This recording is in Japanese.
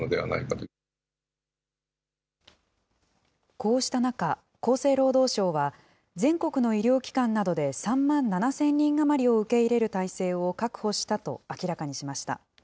こうした中、厚生労働省は、全国の医療機関などで３万７０００人余りを受け入れる態勢を確保したと明らかにしました。